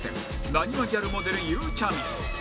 なにわギャルモデルゆうちゃみ